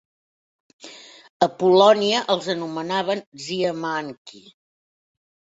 A Polònia els anomenaven "ziemianki".